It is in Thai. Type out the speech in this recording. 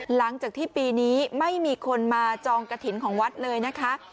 หลังจากที่ปีนี้ไม่มีคนมาจองกระถิ่นของวัดเลยนะคะ